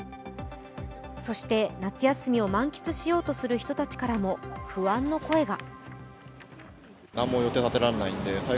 そして夏休みを満喫しようとする人たちからも不安の声が。